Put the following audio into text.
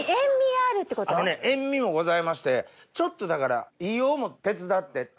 あのね塩味もございましてちょっとだから硫黄も手伝って。